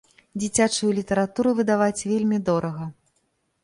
Дзіцячую літаратуру выдаваць вельмі дорага.